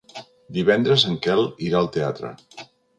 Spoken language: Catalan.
Divendres en Quel irà al teatre.